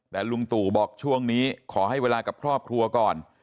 แต่ลุงตู่บอกช่วงนี้ขอให้เวลากับครอบครัวก่อน